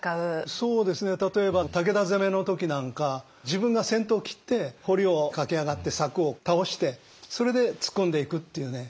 例えば武田攻めの時なんか自分が先頭を切って堀を駆け上がって柵を倒してそれで突っ込んでいくっていうね。